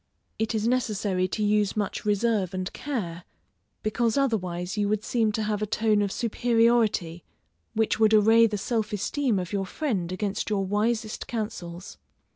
It is necessary to use much reserve and care, because otherwise you would seem to have a tone of superiority which would array the self esteem of your friend against your wisest counsels.